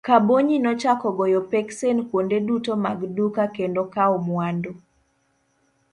Kabonyi nochako goyo peksen kuonde duto mag duka kendo kawo mwandu.